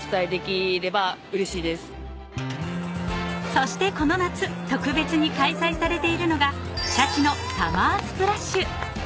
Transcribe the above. ［そしてこの夏特別に開催されているのがシャチのサマースプラッシュ］